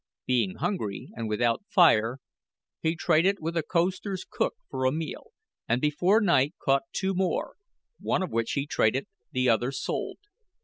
Being hungry and without fire, he traded with a coaster's cook for a meal, and before night caught two more, one of which he traded, the other, sold.